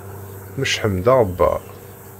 Tmecḥem-d aɣebbar.